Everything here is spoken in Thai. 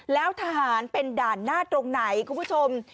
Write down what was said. แล้วทหารเป็นด่านหน้าตรงไหนคุณผู้ชม